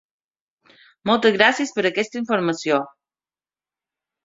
Moltes gràcies per aquesta informació!